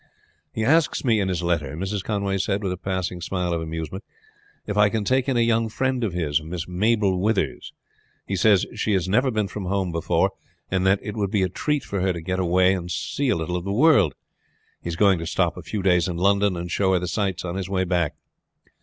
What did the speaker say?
"He asks me in his letter," Mrs. Conway said with a passing smile of amusement, "if I can take in a young friend of his, Miss Mabel Withers. He says she has never been from home before, and that it would be a treat for her to get away and see a little of the world. He is going to stop a few days in London, and show her the sights on his way back."